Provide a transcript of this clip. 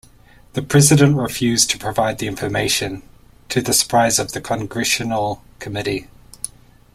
The president refused to provide the information, to the surprise of the Congressional committee.